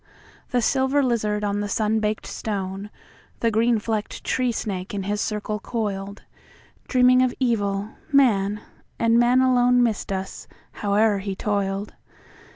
The silver lizard on the sun baked stone, The green flecked tree snake in his circle coiled, Dreaming of evil, man, and man aloneMissed us, howe'er he toiled.